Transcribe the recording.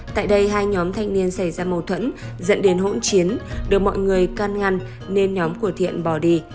tại đây hai nhóm thanh niên xảy ra mâu thuẫn dẫn đến hỗn chiến được mọi người can ngăn nên nhóm của thiện bỏ đi